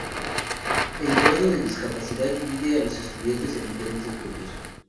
El grado de discapacidad divide a los estudiantes en diferentes grupos.